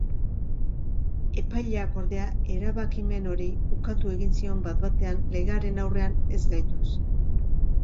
Epaileak ordea, erabakimen hori ukatu egin zion bat batean legearen aurrean ez-gaituz.